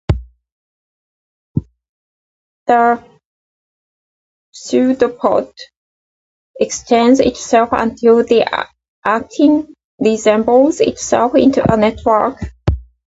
The pseudopod extends itself until the actin reassembles itself into a network.